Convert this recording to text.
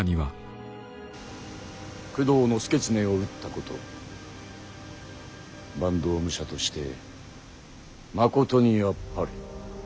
工藤祐経を討ったこと坂東武者としてまことにあっぱれ。